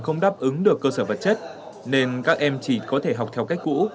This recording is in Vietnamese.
không đáp ứng được cơ sở vật chất nên các em chỉ có thể học theo cách cũ